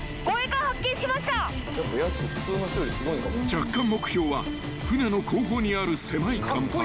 ［着艦目標は艦の後方にある狭い甲板］